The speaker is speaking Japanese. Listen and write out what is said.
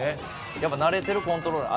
やっぱ慣れてるコントローラー。